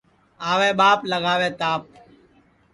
آوے ٻاپ لگاوے تاپ